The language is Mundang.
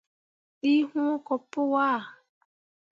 Ɗii wũũ ko pu aa.